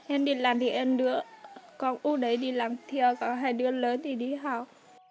em đi làm thì em đứa con u đấy đi làm thiêu còn hai đứa lớn thì đi học